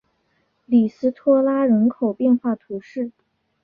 里斯托拉人口变化图示